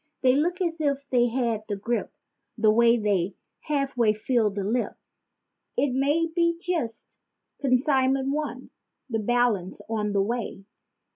They look as if they had the grippe, the way they half way fill the lip— It may be just "consignment one," the balance on the way.